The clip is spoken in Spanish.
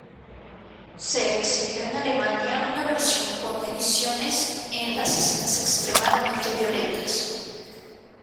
Se exhibió en Alemania una versión con ediciones en las escenas extremadamente violentas.